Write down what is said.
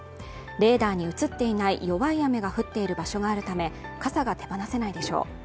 レーダーに映っていない弱い雨が降っている場所があるため傘が手放せないでしょう